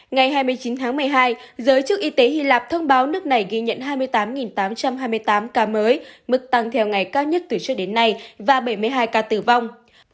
ngày hai mươi chín tháng một mươi hai giới chức y tế hy lạp thông báo nước này ghi nhận hai mươi tám tám trăm hai mươi tám ca mới mức tăng theo ngày cao nhất từ trước đến nay và bảy mươi hai ca tử vong